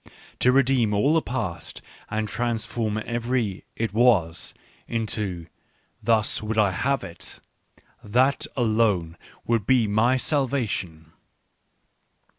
" To redeem all the past, and to transform every ' it was ' into ' thus would I have it '— that alone would be my salvation